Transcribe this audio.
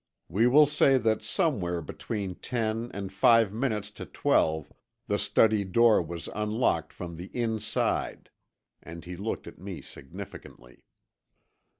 We will say that somewhere between ten and five minutes to twelve the study door was unlocked from the inside," and he looked at me significantly.